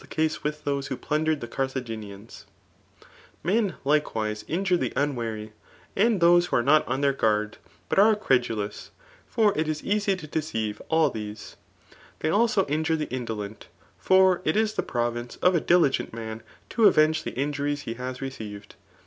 case wd^h tiwise who plundered the Carttoj^isiianfe, Men Uktfvdte inpmi the unwary, andtboae ik4)o are not on their guards but aae eredtdous} for it is easy to deceive all these^ Tley ilso injure tb« indokut ; for it is the province Of n di%ent mta Co avenge the injuries he has received.